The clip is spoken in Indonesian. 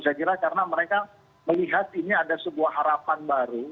saya kira karena mereka melihat ini ada sebuah harapan baru